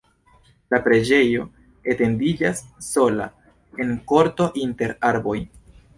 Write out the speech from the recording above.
La preĝejo etendiĝas sola en korto inter arboj.